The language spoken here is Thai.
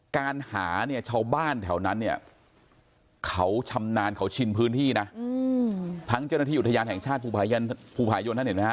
การหาเนี่ยชาวบ้านแถวนั้นเนี่ยเขาชำนาญเขาชินพื้นที่นะทั้งเจ้าหน้าที่อุทยานแห่งชาติภูผายนท่านเห็นไหมฮ